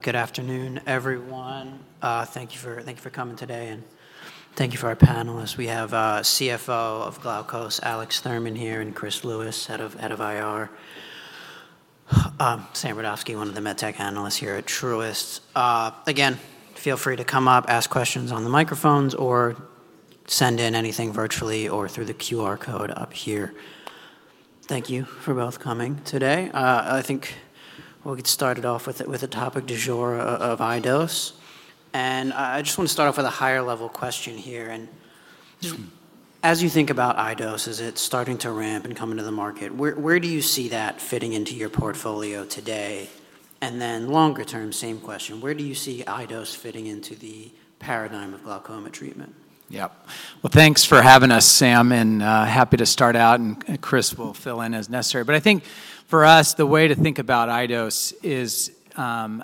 Good afternoon, everyone. Thank you for coming today, and thank you for our panelists. We have CFO of Glaukos, Alex Thurman, here, and Chris Lewis, Head of IR. Sam Brodovsky one of the med tech analysts here at Truist. Again, feel free to come up, ask questions on the microphones, or send in anything virtually or through the QR code up here. Thank you for both coming today. I think we'll get started off with the topic du jour of iDose. I just want to start off with a higher level question here, and - as you think about iDose, as it's starting to ramp and come into the market, where do you see that fitting into your portfolio today? And then longer term, same question: Where do you see iDose fitting into the paradigm of glaucoma treatment? Yep. Well, thanks for having us, Sam, and happy to start out, and Chris will fill in as necessary. But I think for us, the way to think about iDose is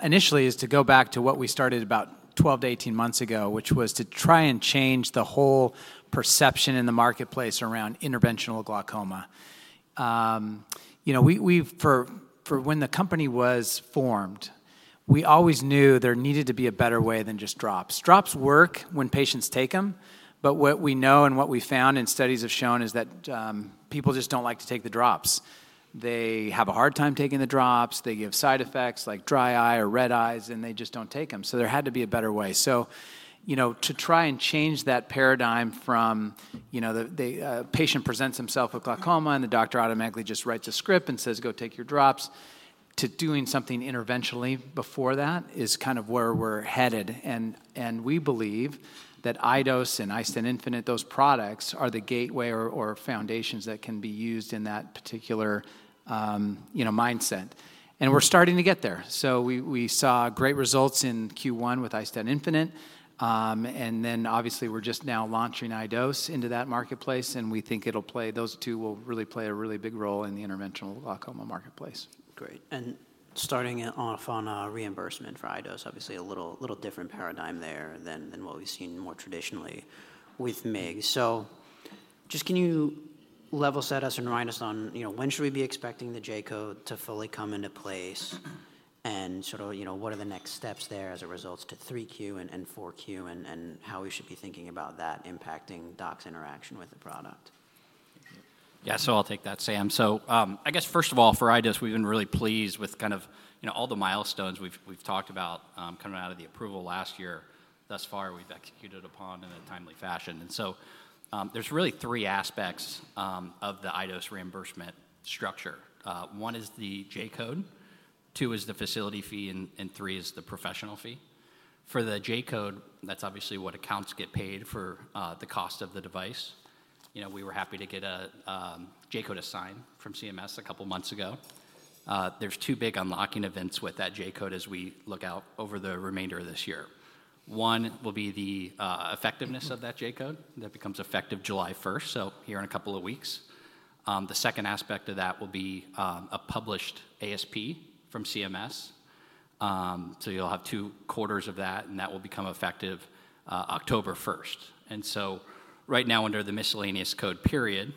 initially to go back to what we started about 12-18 months ago, which was to try and change the whole perception in the marketplace around interventional glaucoma. You know, when the company was formed, we always knew there needed to be a better way than just drops. Drops work when patients take them, but what we know and what we found and studies have shown is that people just don't like to take the drops. They have a hard time taking the drops, they give side effects like dry eye or red eyes, and they just don't take them. So there had to be a better way. So, you know, to try and change that paradigm from, you know, the patient presents himself with glaucoma, and the doctor automatically just writes a script and says, "Go take your drops," to doing something interventionally before that is kind of where we're headed. And we believe that iDose and iStent Infinite, those products are the gateway or foundations that can be used in that particular, you know, mindset. And we're starting to get there. So we saw great results in Q1 with iStent Infinite. And then obviously, we're just now launching iDose into that marketplace, and we think it'll play—those two will really play a really big role in the interventional glaucoma marketplace. Great. And starting off on reimbursement for iDose, obviously a little, little different paradigm there than what we've seen more traditionally with MIGS. So just can you level set us and remind us on, you know, when should we be expecting the J-code to fully come into place? And sort of, you know, what are the next steps there as it relates to 3Q and 4Q, and how we should be thinking about that impacting docs' interaction with the product. Yeah, so I'll take that, Sam. So, I guess first of all, for iDose, we've been really pleased with kind of, you know, all the milestones we've talked about, coming out of the approval last year. Thus far, we've executed upon in a timely fashion. And so, there's really three aspects of the iDose reimbursement structure. One is the J-code, two is the facility fee, and three is the professional fee. For the J-code, that's obviously what accounts get paid for, the cost of the device. You know, we were happy to get a J-code assigned from CMS a couple months ago. There's two big unlocking events with that J-code as we look out over the remainder of this year. One will be the effectiveness of that J-code. That becomes effective July first, so here in a couple of weeks. The second aspect of that will be a published ASP from CMS. So you'll have two quarters of that, and that will become effective October first. And so right now, under the miscellaneous code period,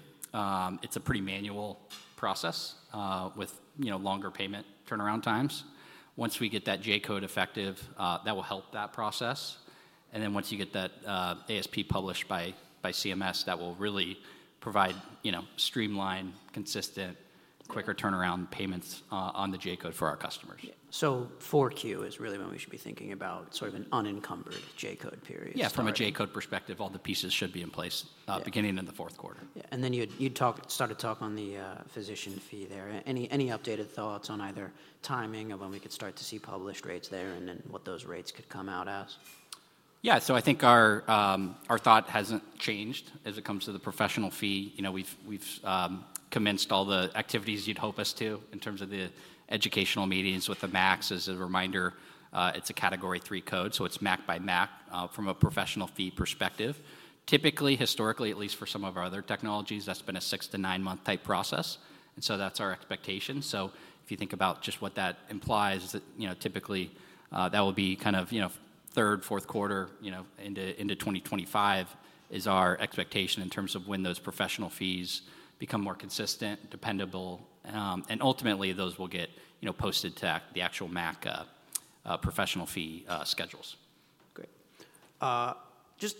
it's a pretty manual process with, you know, longer payment turnaround times. Once we get that J-code effective, that will help that process. And then once you get that ASP published by CMS, that will really provide, you know, streamline, consistent, quicker turnaround payments on the J-code for our customers. Yeah. So 4Q is really when we should be thinking about sort of an unencumbered J-code period? Yeah, from a J-code perspective, all the pieces should be in place. Yeah Beginning in the fourth quarter. Yeah, and then you'd start to talk on the physician fee there. Any updated thoughts on either timing of when we could start to see published rates there and then what those rates could come out as? Yeah, so I think our thought hasn't changed as it comes to the professional fee. You know, we've commenced all the activities you'd hope us to in terms of the educational meetings with the MACs. As a reminder, it's a Category III code, so it's MAC by MAC from a professional fee perspective. Typically, historically, at least for some of our other technologies, that's been a 6 to 9-month type process, and so that's our expectation. So if you think about just what that implies, is that, you know, typically, that will be kind of third, fourth quarter into 2025, is our expectation in terms of when those professional fees become more consistent, dependable, and ultimately, those will get posted to the actual MAC professional fee schedules. Great. Just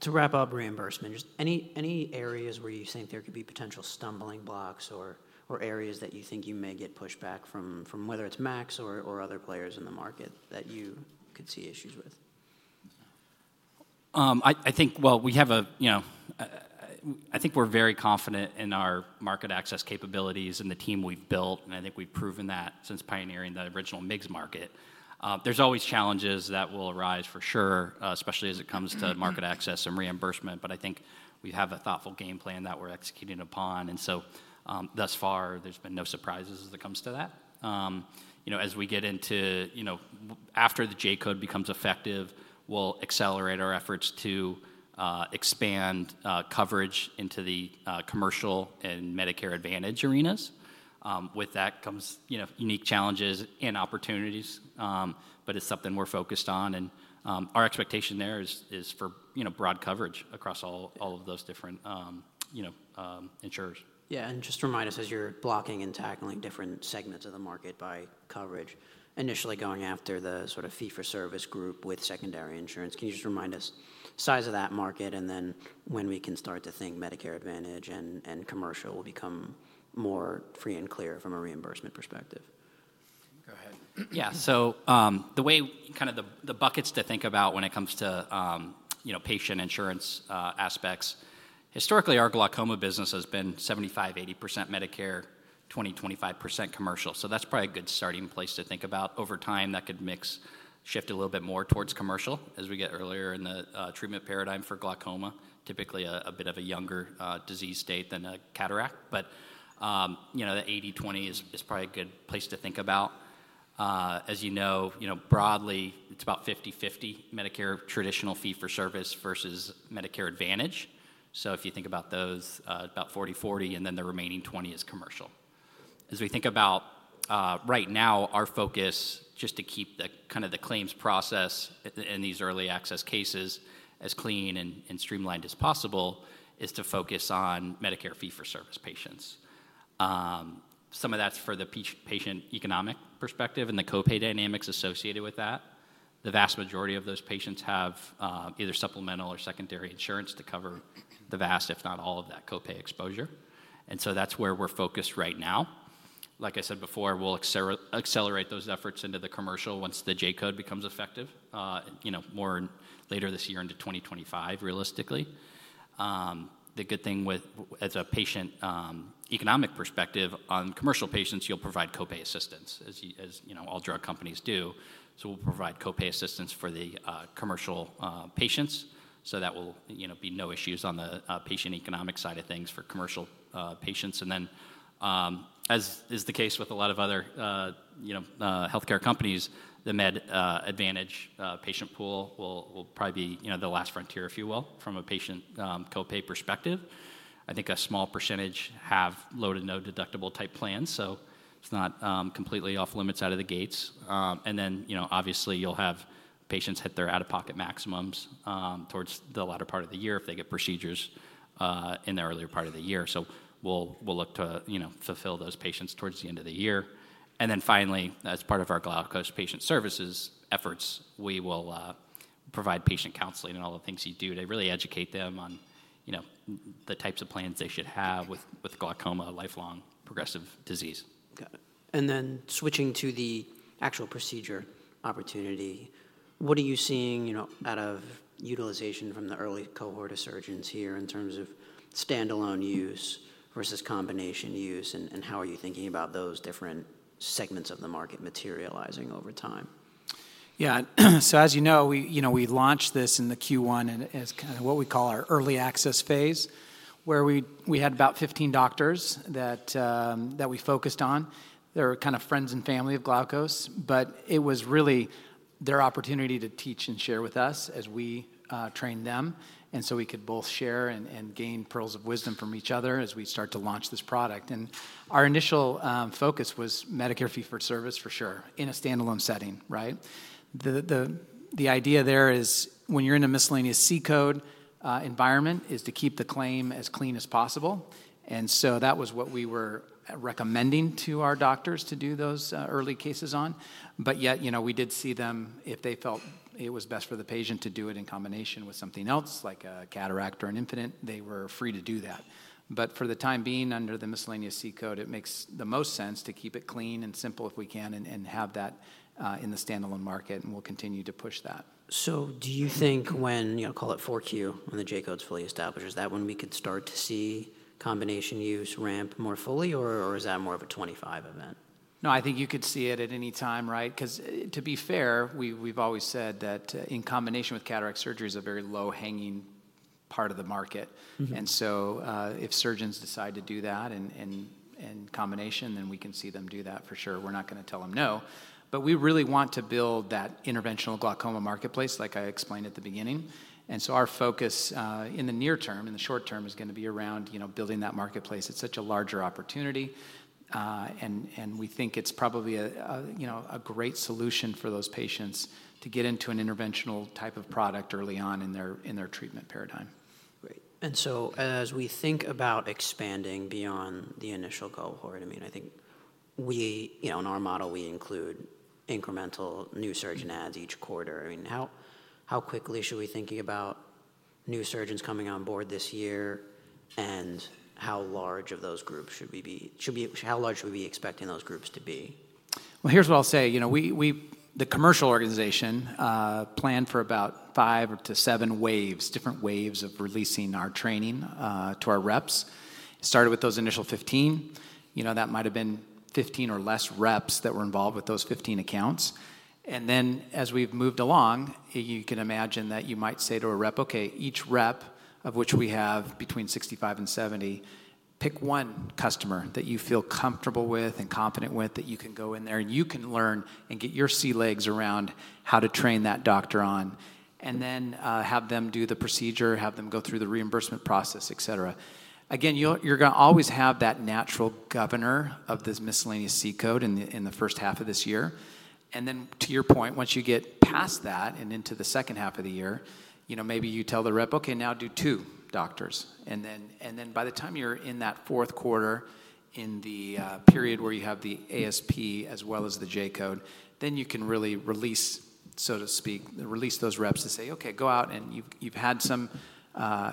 to wrap up reimbursement, just any, any areas where you think there could be potential stumbling blocks or, or areas that you think you may get pushback from, from whether it's MACs or, or other players in the market that you could see issues with? I think, well, we have a, you know, I think we're very confident in our market access capabilities and the team we've built, and I think we've proven that since pioneering the original MIGS market. There's always challenges that will arise for sure, especially as it comes to market access and reimbursement, but I think we have a thoughtful game plan that we're executing upon. And so, thus far, there's been no surprises as it comes to that. You know, as we get into, you know, after the J-code becomes effective, we'll accelerate our efforts to expand coverage into the commercial and Medicare Advantage arenas. With that comes, you know, unique challenges and opportunities, but it's something we're focused on, and our expectation there is, is for, you know, broad coverage across all, all of those different, you know, insurers. Yeah, and just remind us, as you're blocking and tackling different segments of the market by coverage, initially going after the sort of fee-for-service group with secondary insurance, can you just remind us size of that market and then when we can start to think Medicare Advantage and, and commercial will become more free and clear from a reimbursement perspective? Yeah, so, the way kind of the buckets to think about when it comes to, you know, patient insurance aspects, historically, our glaucoma business has been 75-80% Medicare, 20-25% commercial. So that's probably a good starting place to think about. Over time, that could mix, shift a little bit more towards commercial as we get earlier in the treatment paradigm for glaucoma. Typically, a bit of a younger disease state than a cataract. But, you know, the 80/20 is probably a good place to think about. As you know, you know, broadly, it's about 50/50 Medicare traditional fee-for-service versus Medicare Advantage. So if you think about those, about 40/40, and then the remaining 20 is commercial. As we think about right now, our focus, just to keep the kind of the claims process at the in these early access cases as clean and streamlined as possible, is to focus on Medicare fee-for-service patients. Some of that's for the patient economic perspective and the copay dynamics associated with that. The vast majority of those patients have either supplemental or secondary insurance to cover the vast, if not all, of that copay exposure, and so that's where we're focused right now. Like I said before, we'll accelerate those efforts into the commercial once the J-code becomes effective, you know, more in later this year into 2025, realistically. The good thing with as a patient economic perspective, on commercial patients, you'll provide copay assistance, as you know, all drug companies do. So we'll provide copay assistance for the commercial patients, so that will, you know, be no issues on the patient economic side of things for commercial patients. And then, as is the case with a lot of other, you know, healthcare companies, the Med Advantage patient pool will probably be, you know, the last frontier, if you will, from a patient copay perspective. I think a small percentage have low to no deductible type plans, so it's not completely off-limits out of the gates. And then, you know, obviously, you'll have patients hit their out-of-pocket maximums towards the latter part of the year if they get procedures in the earlier part of the year. So we'll look to, you know, fulfill those patients towards the end of the year. And then finally, as part of our Glaukos's patient services efforts, we will provide patient counseling and all the things you do to really educate them on, you know, the types of plans they should have with glaucoma, a lifelong progressive disease. Got it. And then switching to the actual procedure opportunity, what are you seeing, you know, out of utilization from the early cohort of surgeons here in terms of standalone use versus combination use, and, and how are you thinking about those different segments of the market materializing over time? Yeah. So as you know, we, you know, we launched this in the Q1, and it's kind of what we call our early access phase, where we, we had about 15 doctors that, that we focused on. They're kind of friends and family of Glaukos, but it was really their opportunity to teach and share with us as we, trained them, and so we could both share and, and gain pearls of wisdom from each other as we start to launch this product. And our initial, focus was Medicare fee-for-service, for sure, in a standalone setting, right? The, the, the idea there is when you're in a miscellaneous C-code, environment, is to keep the claim as clean as possible. And so that was what we were recommending to our doctors to do those, early cases on. But yet, you know, we did see them if they felt it was best for the patient to do it in combination with something else, like a cataract or an Infinite, they were free to do that. But for the time being, under the miscellaneous C-code, it makes the most sense to keep it clean and simple if we can and have that in the standalone market, and we'll continue to push that. So do you think when, you know, call it 4Q, when the J-code's fully established, is that when we could start to see combination use ramp more fully, or, or is that more of a 25 event? No, I think you could see it at any time, right? 'Cause to be fair, we, we've always said that, in combination with cataract surgery is a very low-hanging part of the market. Mm-hmm. And so, if surgeons decide to do that in combination, then we can see them do that for sure. We're not going to tell them no. But we really want to build that interventional glaucoma marketplace, like I explained at the beginning. And so our focus, in the near term, in the short term, is going to be around, you know, building that marketplace. It's such a larger opportunity, and we think it's probably a, you know, a great solution for those patients to get into an interventional type of product early on in their treatment paradigm. Great. And so as we think about expanding beyond the initial cohort, I mean, I think we- you know, in our model, we include incremental new surgeon adds each quarter. I mean, how quickly should we be thinking about new surgeons coming on board this year, and how large of those groups should we be expecting those groups to be? Well, here's what I'll say. You know, we, the commercial organization, planned for about 5-7 waves, different waves of releasing our training to our reps. It started with those initial 15. You know, that might have been 15 or less reps that were involved with those 15 accounts. And then, as we've moved along, you can imagine that you might say to a rep, "Okay, each rep, of which we have between 65 and 70, pick one customer that you feel comfortable with and confident with, that you can go in there and you can learn and get your sea legs around how to train that doctor on, and then, have them do the procedure, have them go through the reimbursement process, etcetera." Again, you're gonna always have that natural governor of this miscellaneous C-code in the, in the first half of this year. And then, to your point, once you get past that and into the second half of the year, you know, maybe you tell the rep: "Okay, now do two doctors." And then by the time you're in that fourth quarter, in the period where you have the ASP as well as the J-code, then you can really release, so to speak, those reps to say, "Okay, go out," and you've had some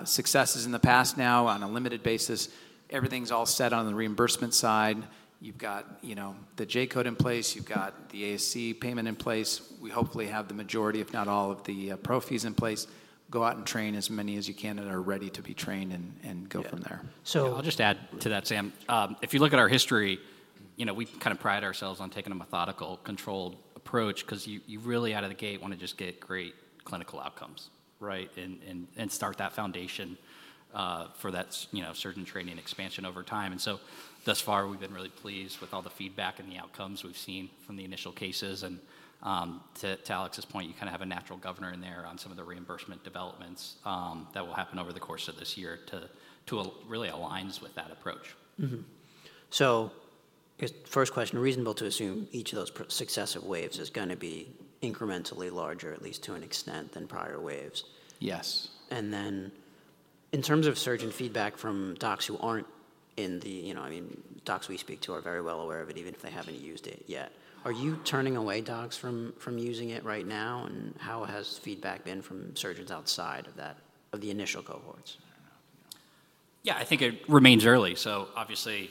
successes in the past now on a limited basis. Everything's all set on the reimbursement side. You've got, you know, the J-code in place, you've got the ASC payment in place. We hopefully have the majority, if not all, of the pro fees in place. Go out and train as many as you can and are ready to be trained and go from there. Yeah. So I'll just add to that, Sam. If you look at our history, you know, we kind of pride ourselves on taking a methodical, controlled approach, 'cause you really, out of the gate, want to just get great clinical outcomes, right? And start that foundation, you know, for surgeon training and expansion over time. So thus far, we've been really pleased with all the feedback and the outcomes we've seen from the initial cases. And to Alex's point, you kind of have a natural governor in there on some of the reimbursement developments that will happen over the course of this year to really aligns with that approach. Mm-hmm. So first question, reasonable to assume each of those successive waves is going to be incrementally larger, at least to an extent, than prior waves? Yes. Then in terms of surgeon feedback from docs who aren't in the - you know, I mean, docs we speak to are very well aware of it, even if they haven't used it yet. Are you turning away docs from using it right now? And how has feedback been from surgeons outside of that, of the initial cohorts? Yeah, I think it remains early, so obviously,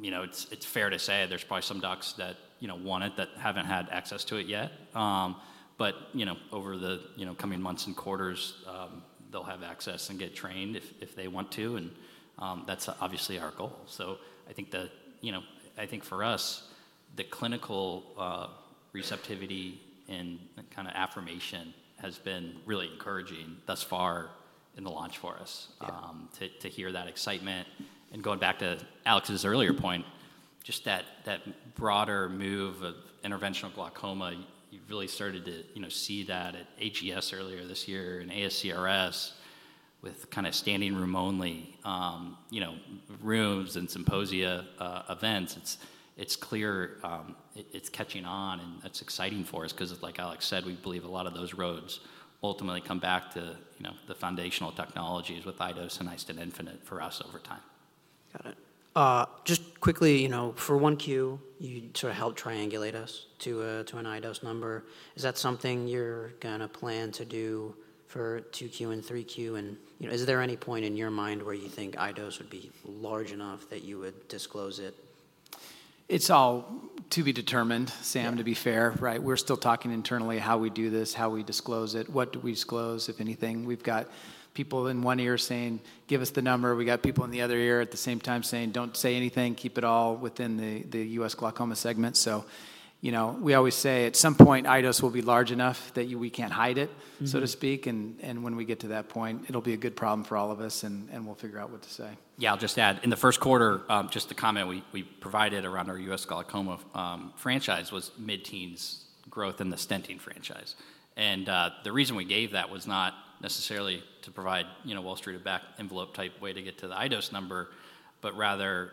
you know, it's fair to say there's probably some docs that, you know, want it that haven't had access to it yet. But, you know, over the, you know, coming months and quarters, they'll have access and get trained if they want to, and that's obviously our goal. So I think that, you know, I think for us, the clinical receptivity and kind of affirmation has been really encouraging thus far in the launch for us - Yeah To hear that excitement. And going back to Alex's earlier point, just that broader move of interventional glaucoma, you've really started to, you know, see that at AGS earlier this year and ASCRS with kind of standing room only, you know, rooms and symposia, events. It's clear, it's catching on, and that's exciting for us 'cause like Alex said, we believe a lot of those roads ultimately come back to, you know, the foundational technologies with iDose and iStent Infinite for us over time. Got it. Just quickly, you know, for 1Q, you sort of helped triangulate us to a, to an iDose number. Is that something you're gonna plan to do for 2Q and 3Q? And, you know, is there any point in your mind where you think iDose would be large enough that you would disclose it? It's all to be determined, Sam, to be fair, right? We're still talking internally, how we do this, how we disclose it, what do we disclose, if anything. We've got people in one ear saying, "Give us the number." We've got people in the other ear at the same time saying, "Don't say anything. Keep it all within the U.S. glaucoma segment." So, you know, we always say, at some point, iDose will be large enough that we can't hide it so to speak. And when we get to that point, it'll be a good problem for all of us, and we'll figure out what to say. Yeah, I'll just add, in the first quarter, just a comment we, we provided around our US glaucoma franchise was mid-teens growth in the stenting franchise. And, the reason we gave that was not necessarily to provide, you know, Wall Street a back-envelope-type way to get to the iDose number, but rather,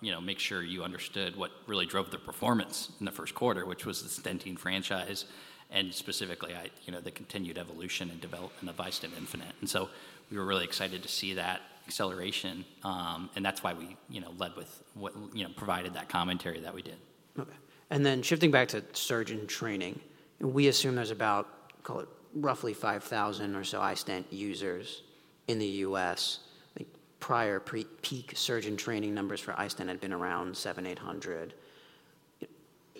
you know, make sure you understood what really drove the performance in the first quarter, which was the stenting franchise, and specifically, you know, the continued evolution and development of iStent Infinite. And so we were really excited to see that acceleration, and that's why we, you know, led with what, you know, provided that commentary that we did. Okay. And then shifting back to surgeon training, we assume there's about, call it, roughly 5,000 or so iStent users in the U.S. Like, prior pre-peak surgeon training numbers for iStent had been around 700-800.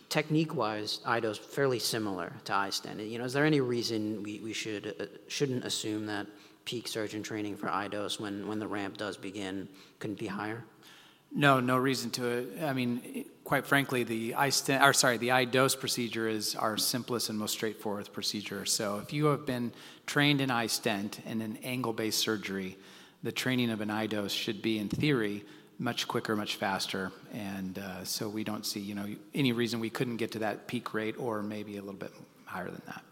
Technique-wise, iDose fairly similar to iStent. You know, is there any reason we, we should, shouldn't assume that peak surgeon training for iDose, when, when the ramp does begin, couldn't be higher? No, no reason to it. I mean, quite frankly, the iStent, or sorry, the iDose procedure is our simplest and most straightforward procedure. So if you have been trained in iStent in an angle-based surgery, the training of an iDose should be, in theory, much quicker, much faster. And so we don't see, you know, any reason we couldn't get to that peak rate or maybe a little bit higher than that.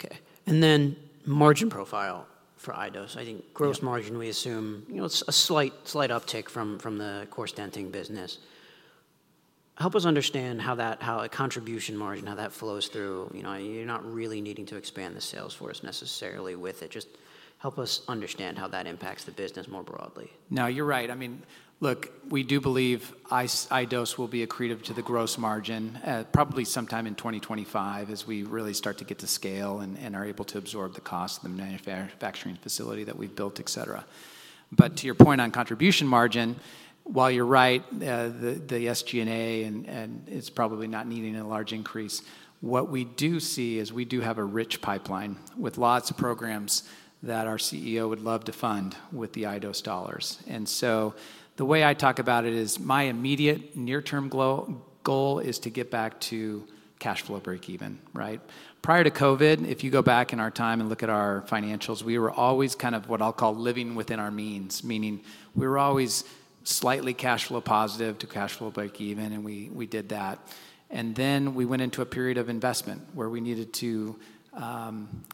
Okay. And then margin profile for iDose. I think gross margin, we assume, you know, it's a slight, slight uptick from, from the core stenting business. Help us understand how that, how a contribution margin, how that flows through. You know, you're not really needing to expand the sales force necessarily with it. Just help us understand how that impacts the business more broadly. No, you're right. I mean, look, we do believe iDose will be accretive to the gross margin, probably sometime in 2025 as we really start to get to scale and are able to absorb the cost of the manufacturing facility that we've built, et cetera. But to your point on contribution margin, while you're right, the SG&A and it's probably not needing a large increase, what we do see is we do have a rich pipeline with lots of programs that our CEO would love to fund with the iDose dollars. And so the way I talk about it is my immediate near-term goal is to get back to cash flow breakeven, right? Prior to COVID, if you go back in our time and look at our financials, we were always kind of what I'll call living within our means, meaning we were always slightly cash flow positive to cash flow breakeven, and we, we did that. And then we went into a period of investment where we needed to,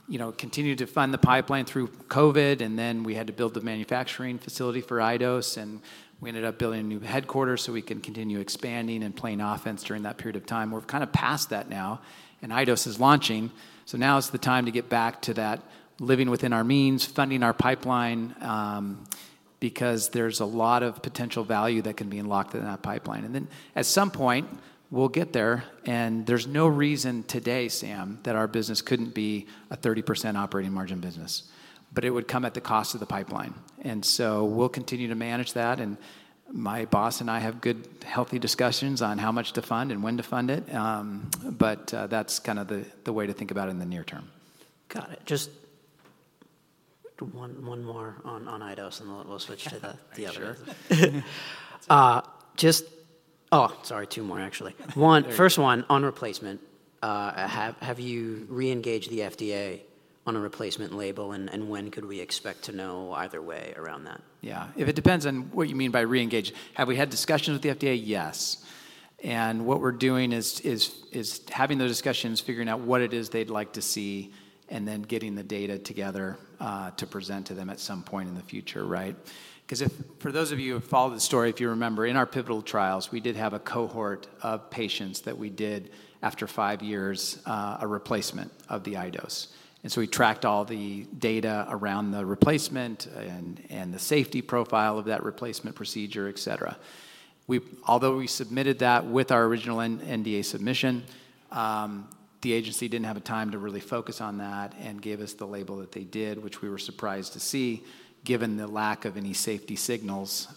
you know, continue to fund the pipeline through COVID, and then we had to build the manufacturing facility for iDose, and we ended up building a new headquarters so we can continue expanding and playing offense during that period of time. We're kind of past that now and iDose is launching, so now is the time to get back to that living within our means, funding our pipeline, because there's a lot of potential value that can be unlocked in that pipeline. Then, at some point, we'll get there, and there's no reason today, Sam, that our business couldn't be a 30% operating margin business. But it would come at the cost of the pipeline. So we'll continue to manage that, and my boss and I have good, healthy discussions on how much to fund and when to fund it. That's kinda the way to think about it in the near term. Got it. Just one more on iDose, and then we'll switch to the- Sure. -the other. Two more, actually. First one, on replacement. Have you re-engaged the FDA on a replacement label, and when could we expect to know either way around that? Yeah. It depends on what you mean by re-engage. Have we had discussions with the FDA? Yes. And what we're doing is having those discussions, figuring out what it is they'd like to see, and then getting the data together to present to them at some point in the future, right? 'Cause if—for those of you who follow the story, if you remember, in our pivotal trials, we did have a cohort of patients that we did, after five years, a replacement of the iDose. And so we tracked all the data around the replacement and the safety profile of that replacement procedure, etc. Although we submitted that with our original NDA submission, the agency didn't have time to really focus on that and gave us the label that they did, which we were surprised to see, given the lack of any safety signals.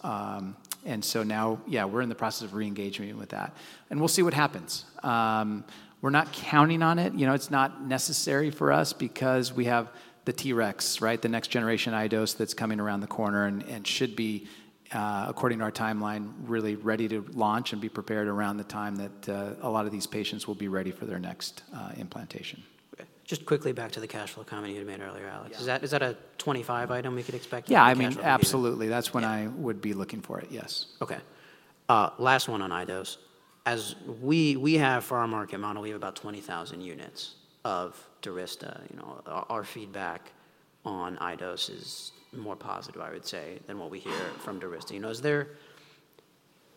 And so now, yeah, we're in the process of re-engaging with that, and we'll see what happens. We're not counting on it. You know, it's not necessary for us because we have the TREX, right? The next generation iDose that's coming around the corner and should be, according to our timeline, really ready to launch and be prepared around the time that a lot of these patients will be ready for their next implantation. Just quickly back to the cash flow comment you had made earlier, Alex. Yeah. Is that, is that a 25 item we could expect- Yeah, I mean, absolutely. Yeah. That's when I would be looking for it, yes. Okay. Last one on iDose. As we have for our market model, we have about 20,000 units of Durysta. You know, our feedback on iDose is more positive, I would say, than what we hear from Durysta. You know, is there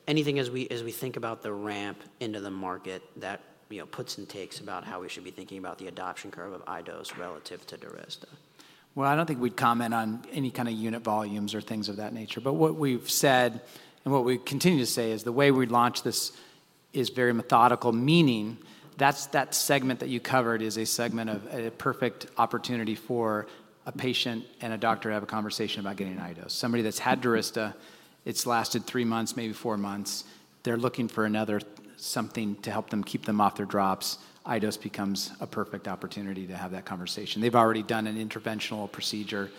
anything as we think about the ramp into the market that, you know, puts and takes about how we should be thinking about the adoption curve of iDose relative to Durysta? Well, I don't think we'd comment on any kinda unit volumes or things of that nature. But what we've said, and what we continue to say, is the way we'd launch this is very methodical, meaning that's, that segment that you covered is a segment of a perfect opportunity for a patient and a doctor to have a conversation about getting an iDose. Somebody that's had Durysta, it's lasted three months, maybe four months, they're looking for another something to help them keep them off their drops. iDose becomes a perfect opportunity to have that conversation. They've already done an interventional procedure,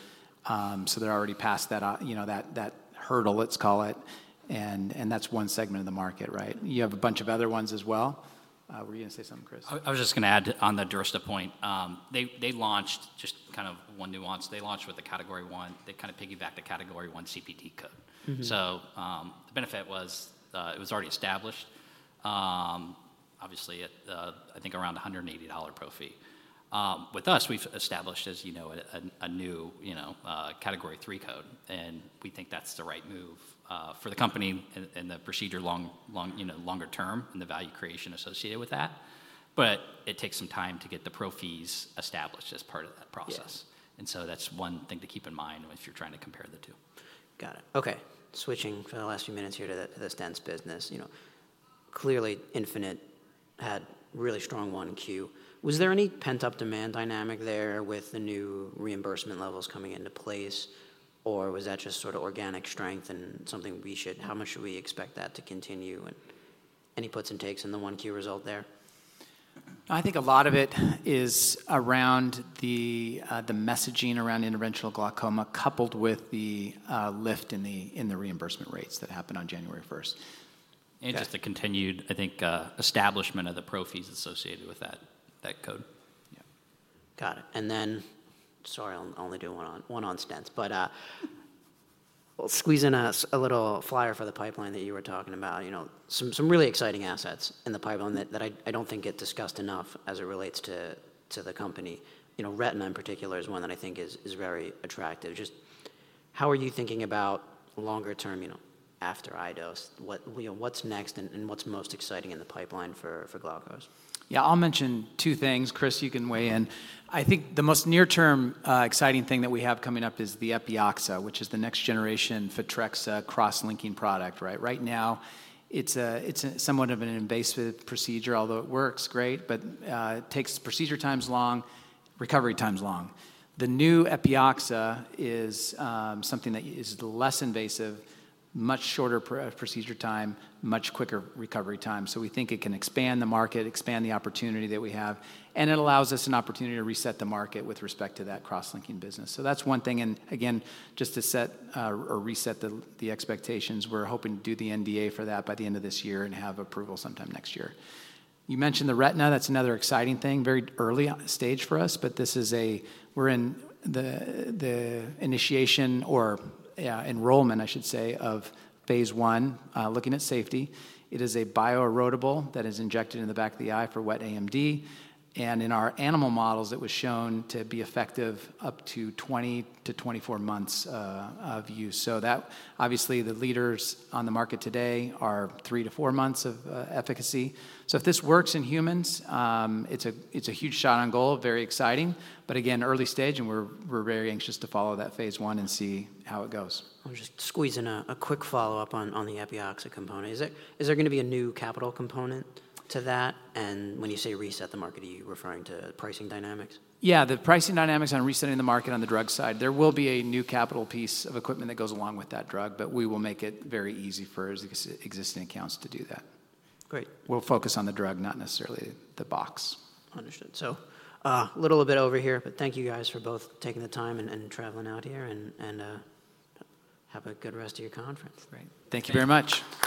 so they're already past that, you know, that, that hurdle, let's call it, and, and that's one segment of the market, right? You have a bunch of other ones as well. Were you gonna say something, Chris? I was just gonna add on the Durysta point. They launched just kind of one nuance. They launched with a Category I. They kinda piggybacked the Category I CPT code. Mm-hmm. So, the benefit was, it was already established, obviously, at, I think, around a $180 pro fee. With us, we've established, as you know, a, a new, you know, Category III code, and we think that's the right move, for the company and, and the procedure long, long, you know, longer term and the value creation associated with that. But it takes some time to get the pro fees established as part of that process. Yes. That's one thing to keep in mind if you're trying to compare the two. Got it. Okay, switching for the last few minutes here to the Stents business. You know, clearly, Infinite had really strong 1Q. Was there any pent-up demand dynamic there with the new reimbursement levels coming into place, or was that just sorta organic strength and something we should - how much should we expect that to continue, and any puts and takes in the 1Q result there? I think a lot of it is around the messaging around interventional glaucoma, coupled with the lift in the reimbursement rates that happened on January first. Just the continued, I think, establishment of the pro fees associated with that, that code yeah. Got it. And then, sorry, I'll only do one on stents, but squeeze in a little flyover for the pipeline that you were talking about. You know, some really exciting assets in the pipeline that I don't think get discussed enough as it relates to the company. You know, retina in particular is one that I think is very attractive. Just how are you thinking about longer term, you know, after iDose? What, you know, what's next and what's most exciting in the pipeline for Glaukos? Yeah, I'll mention two things. Chris, you can weigh in. I think the most near-term exciting thing that we have coming up is the Epioxa, which is the next generation Photrexa cross-linking product, right? Right now, it's a somewhat of an invasive procedure, although it works great, but it takes - procedure time's long, recovery time's long. The new Epioxa is something that is less invasive, much shorter procedure time, much quicker recovery time. So we think it can expand the market, expand the opportunity that we have, and it allows us an opportunity to reset the market with respect to that cross-linking business. So that's one thing, and again, just to set or reset the expectations, we're hoping to do the NDA for that by the end of this year and have approval sometime next year. You mentioned the retina. That's another exciting thing, very early stage for us, but this is a - we're in the initiation or, yeah, enrollment, I should say, of phase 1, looking at safety. It is a bioerodible that is injected in the back of the eye for wet AMD, and in our animal models, it was shown to be effective up to 20 to 24 months of use. So that obviously, the leaders on the market today are 3 to 4 months of efficacy. So if this works in humans, it's a, it's a huge shot on goal, very exciting. But again, early stage, and we're, we're very anxious to follow that phase 1 and see how it goes. I'll just squeeze in a quick follow-up on the Epioxa component. Is there gonna be a new capital component to that? And when you say reset the market, are you referring to pricing dynamics? Yeah, the pricing dynamics on resetting the market on the drug side, there will be a new capital piece of equipment that goes along with that drug, but we will make it very easy for existing accounts to do that. Great. We'll focus on the drug, not necessarily the box. Understood. So, a little bit over here, but thank you guys for both taking the time and traveling out here and have a good rest of your conference. Great. Thank you very much.